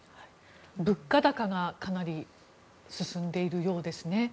物価高がかなり進んでいるようですね。